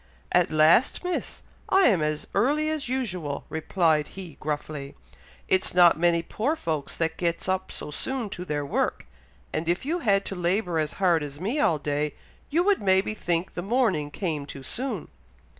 "At last, Miss!! I am as early as usual!" replied he, gruffly. "It's not many poor folks that gets up so soon to their work, and if you had to labour as hard as me all day, you would maybe think the morning came too soon."